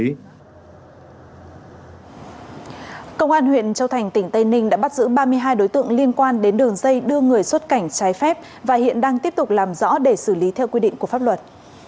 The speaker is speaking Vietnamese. công an huyện châu thành tỉnh tây ninh đã bắt giữ ba mươi hai đối tượng liên quan đến đường dây đưa người xuất cảnh trái phép và hiện đang tiếp tục làm rõ để xử lý theo quy định của pháp luật